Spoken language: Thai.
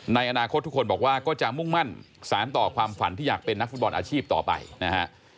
ในอนาคตทุกคนบอกว่าก็จะมุ่งมั่นสารต่อความฝันที่อยากเป็นนักฟุตบอลอาชีพต่อไปนะฮะ